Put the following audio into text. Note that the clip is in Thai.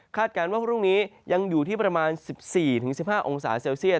การว่าพรุ่งนี้ยังอยู่ที่ประมาณ๑๔๑๕องศาเซลเซียต